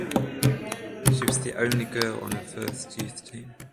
She was the only girl on her first youth team.